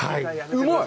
うまい！